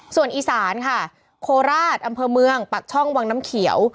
ส่วนอีสานค่ะโคราชอำเภอเมืองปักช่องวังน้ำเขียว